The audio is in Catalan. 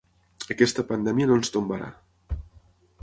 Aquesta pandèmia no ens tombarà.